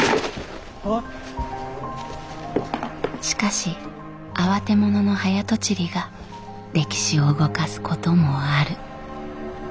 しかし慌て者の早とちりが歴史を動かすこともある。